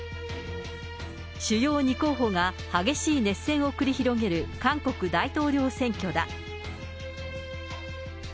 主要２候補が激しい熱戦を繰り広げる韓国大統領選挙だ。